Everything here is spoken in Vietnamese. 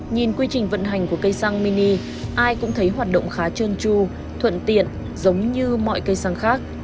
nhìn quy trình vận hành của cây xăng mini ai cũng thấy hoạt động khá trơn tru thuận tiện giống như mọi cây xăng khác